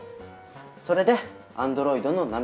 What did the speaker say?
それで「アンドロイドの涙」。